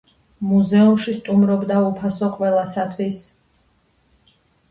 მუზეუმში სტუმრობა უფასოა ყველასათვის.